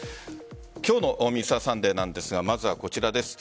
今日の「Ｍｒ．サンデー」なんですがまずはこちらです。